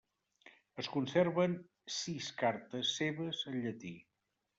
Es conserven sis cartes seves en llatí.